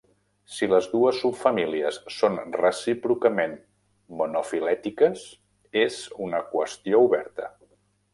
Si les dues subfamílies són recíprocament monofilètiques, és una qüestió oberta.